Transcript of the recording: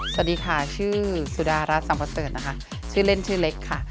สวัสดีค่ะชื่อสุดารัฐสัมประเสริฐนะคะชื่อเล่นชื่อเล็กค่ะ